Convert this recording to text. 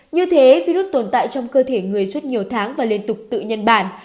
như thế virus tồn tại trong cơ thể người suốt nhiều tháng và liên tục tự nhân bản